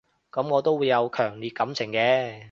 噉我都會有強烈感情嘅